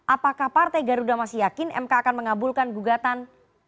apakah partai garuda masih yakin mk akan mengabulkan gugatan